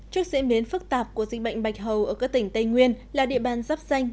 trước diễn biến phức tạp của dịch bệnh bạch hầu ở các tỉnh tây nguyên là địa bàn dắp danh